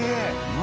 何？